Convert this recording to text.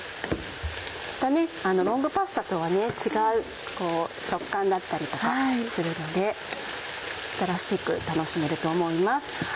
またロングパスタとは違う食感だったりとかするので新しく楽しめると思います。